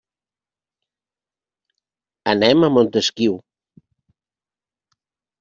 Anem a Montesquiu.